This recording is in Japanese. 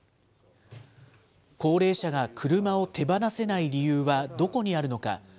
高齢者が車を手放せない理由はどこにあるのか。